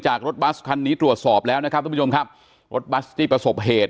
จากรถบัสคันนี้ตรวจสอบแล้วนะครับรถบัสที่ประสบเหตุ